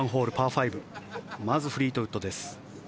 ５まずフリートウッドです。